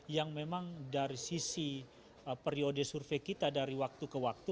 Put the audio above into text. yang memang dari sisi periode survei kita dari waktu ke waktu